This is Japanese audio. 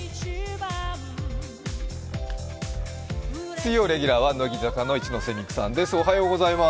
水曜レギュラーは乃木坂の一ノ瀬美空さんです。